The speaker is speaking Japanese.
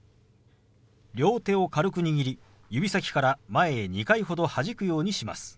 両手を軽く握り指先から前へ２回ほどはじくようにします。